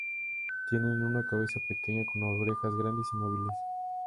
Tienen una cabeza pequeña, con orejas grandes y móviles.